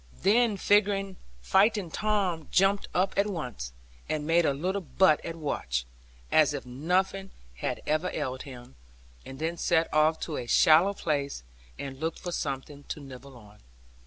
Then fighting Tom jumped up at once, and made a little butt at Watch, as if nothing had ever ailed him, and then set off to a shallow place, and looked for something to nibble at.